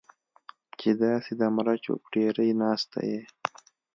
چې داسې د مرچو په ډېرۍ ناسته یې.